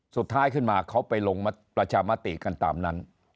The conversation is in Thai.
สุดท้ายขึ้นมาเขาไปลงประชามติกันตามนั้น